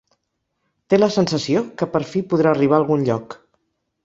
Té la sensació que per fi podrà arribar a algun lloc.